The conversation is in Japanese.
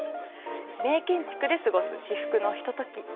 名建築で過ごす至福のひととき。